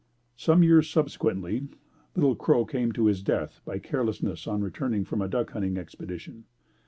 Some years subsequently, Little Crow came to his death by carelessness on returning from a duck hunting expedition.